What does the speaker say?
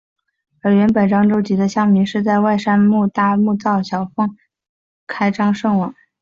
而原本漳州籍的乡民是在外木山搭木造小庙奉祀原乡的守护神开漳圣王。